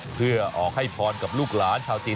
เพื่อออกให้พรกับลูกหลานชาวจีน